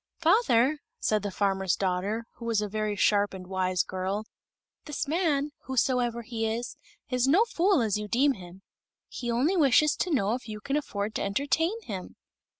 "Father," said the farmer's daughter, who was a very sharp and wise girl, "this man, whosoever he is, is no fool, as you deem him. He only wishes to know if you can afford to entertain him."